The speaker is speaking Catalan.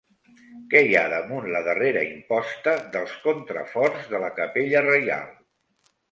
Què hi ha damunt la darrera imposta dels contraforts de la capella Reial?